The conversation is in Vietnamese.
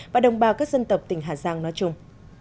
và đồng bào các dân tộc tỉnh hà giang nói chung